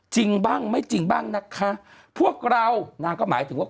จริงบ้างไม่จริงบ้างนะคะพวกเรานางก็หมายถึงว่า